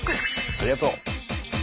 ありがとう！